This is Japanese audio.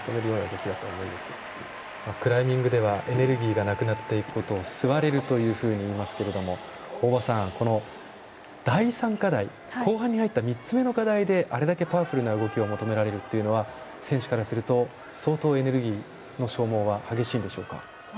クライミングではエネルギーがなくなっていくことを吸われるというふうにいいますけれども第３課題、後半に入ったこの課題であれだけパワフルな動きを求められるというのは選手からすると相当、エネルギーの消耗は激しいでしょうか？